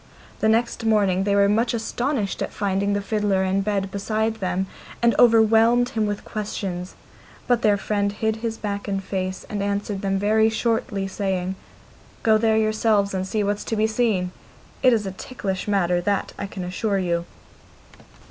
The next morning they were much astonished at finding the fiddler in bed beside them, and overwhelmed him with questions; but their friend hid his back and face, and answered them very shortly, saying, 'Go there yourselves, and see what's to be seen! It is a ticklish matter, that I can assure you.